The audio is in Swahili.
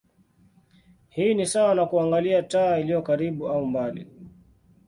Hii ni sawa na kuangalia taa iliyo karibu au mbali.